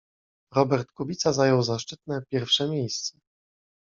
Robert Kubica zajął zaszczytne pierwsze miejsce